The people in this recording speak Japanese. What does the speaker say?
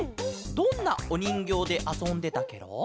どんなおにんぎょうであそんでたケロ？